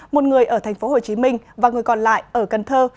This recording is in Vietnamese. một người ở tp hcm và người còn lại ở cần thơ